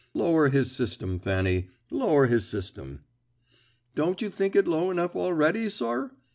Lower his system, Fanny, lower his system." "Don't you think it low enough already, sir?"